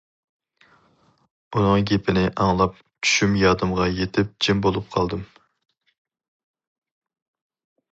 ئۇنىڭ گېپىنى ئاڭلاپ چۈشۈم يادىمغا يىتىپ جىم بولۇپ قالدىم.